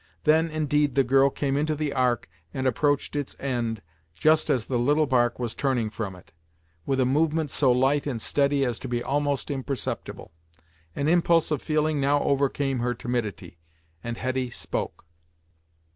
Then, indeed, the girl came into the Ark and approached its end, just as the little bark was turning from it, with a movement so light and steady as to be almost imperceptible. An impulse of feeling now overcame her timidity, and Hetty spoke.